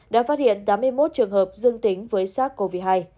đã phát hiện tám mươi một trường hợp dương tính với sars cov hai